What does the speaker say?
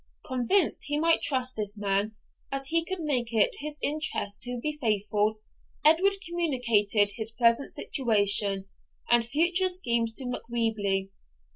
Convinced he might trust this man, as he could make it his interest to be faithful, Edward communicated his present situation and future schemes to Macwheeble.